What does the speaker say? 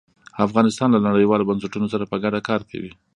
افغانستان له نړیوالو بنسټونو سره په ګډه کار کوي.